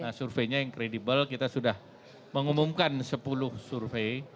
nah surveinya yang kredibel kita sudah mengumumkan sepuluh survei